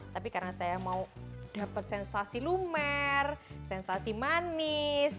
tapi karena saya mau dapat sensasi lumer sensasi manis